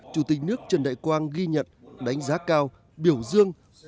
chủ tịch nước trần đại quang ghi nhận đánh giá cao biểu dương